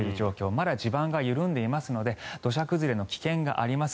まだ地盤が緩んでいますので土砂崩れの危険があります。